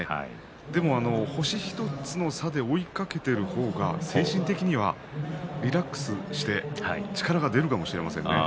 星１つの差で追いかけている方が精神的にはリラックスして力が出るかもしれませんね。